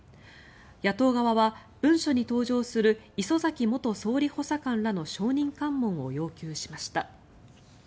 野党側は文書に登場する磯崎元総理補佐官らの証人喚問を要求しました。